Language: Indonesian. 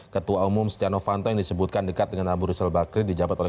ketua umum stiano fanto yang disebutkan dekat dengan abu rizal bakri dijabat oleh